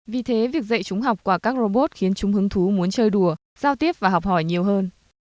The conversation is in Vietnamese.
vì thế việc dạy chúng học qua các robot khiến chúng hứng thú muốn chơi đùa giao tiếp và học hỏi nhiều hơn